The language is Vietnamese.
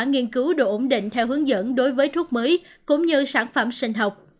nghiên cứu đồ ổn định theo hướng dẫn đối với thuốc mới cũng như sản phẩm sinh học